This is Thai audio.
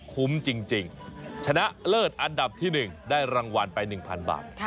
คุ้มจริงชนะเลิศอันดับที่๑ได้รางวัลไป๑๐๐บาท